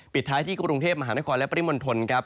ปิดท้ายที่กรุงเทพมหานครและปริมณฑลครับ